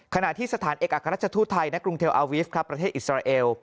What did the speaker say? ขณะที่สถานเอกอักรัชทุทธัยณกรุงเทลอาวิฟต์ประเทศอิสราเอล